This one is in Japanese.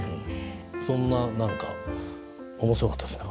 そんな何か面白かったですね